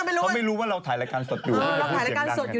เค้าไม่รู้ว่าเราถ่ายรายการสดอยู่